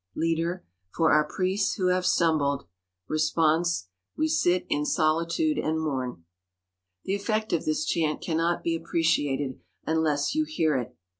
Leader — For our priests who have stumbled. Response — We sit in solitude and mourn. The effect of this chant cannot be appreciated unless you hear it.